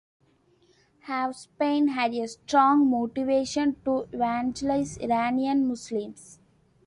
Hovsepian had a strong motivation to evangelise Iranian Muslims.